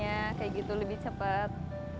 ya kayak gitu lebih cepat